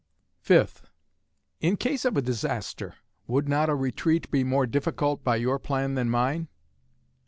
5th. In case of a disaster, would not a retreat be more difficult by your plan than mine?